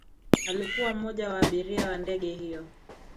alikuwa mmoja wa abiria wa ndege hiyo